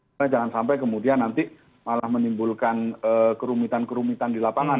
karena jangan sampai kemudian nanti malah menimbulkan kerumitan kerumitan di lapangan